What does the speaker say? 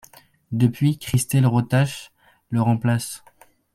Depuis, Christelle Rotach le remplace.